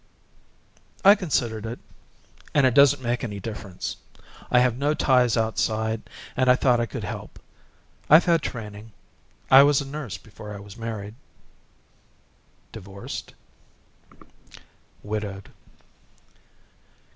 "I considered it," she said, "and it doesn't make any difference. I have no ties outside and I thought I could help. I've had training. I was a nurse before I was married." "Divorced?" "Widowed."